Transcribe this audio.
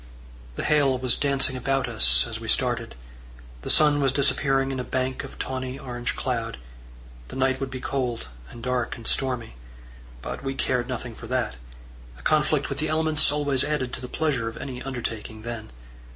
The hail was dancing about us as we started; the sun was disappearing in a bank of tawny orange cloud; the night would be cold and dark and stormy; but we cared nothing for that: a conflict with the elements always added to the pleasure of any undertaking then.